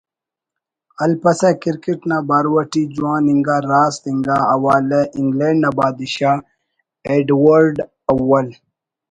الیپسہ کرکٹ نا بارو اٹی جوان انگا راست انگا حوالہ انگلینڈ نا باد شاہ ایڈورڈاول